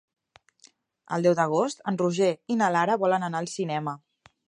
El deu d'agost en Roger i na Lara volen anar al cinema.